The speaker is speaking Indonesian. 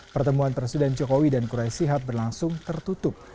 pertemuan presiden jokowi dan quraisyihab berlangsung tertutup